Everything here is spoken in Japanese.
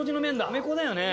米粉だよね。